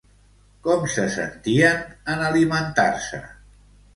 Com se sentien en alimentar-se?